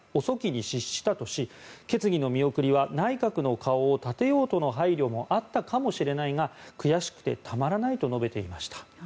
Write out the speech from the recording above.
遅きに失したとし決議の見送りは内閣の顔を立てようとの配慮もあったかもしれないが悔しくてたまらないと述べていました。